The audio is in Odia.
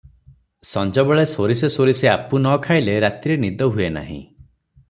ସଞ୍ଜବେଳେ ସୋରିଷେ ସୋରିଷେ ଆପୁ ନ ଖାଇଲେ ରାତିରେ ନିଦ ହୁଏ ନାହିଁ ।